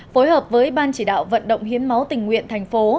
phối hợp với ban chỉ đạo vận động hiến máu tình nguyện thành phố